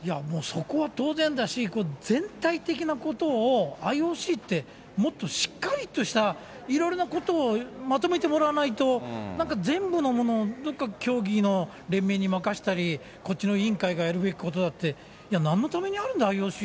もうそこは当然だし、全体的なことをＩＯＣって、もっとしっかりとした、いろいろなことをまとめてもらわないと、なんか全部のもの、どっか競技の連盟に任せたり、こっちの委員会がやるべきことだって、いや、なんのためにＩＯＣってあるのか。